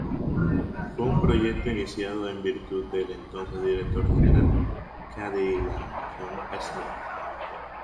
Fue un proyecto iniciado en virtud del entonces director general de Cadillac, John Smith.